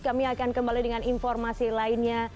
kami akan kembali dengan informasi lainnya